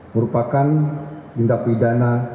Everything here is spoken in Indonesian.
merupakan tindak pidana